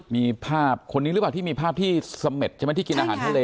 มีภาพคนนี้หรือเปล่าที่มีภาพที่เสม็ดใช่ไหมที่กินอาหารทะเล